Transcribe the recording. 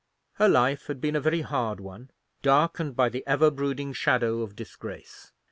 Her life had been a very hard one, darkened by the ever brooding shadow of disgrace.